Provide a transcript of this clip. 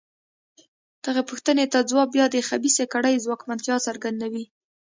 دغې پوښتنې ته ځواب بیا د خبیثه کړۍ ځواکمنتیا څرګندوي.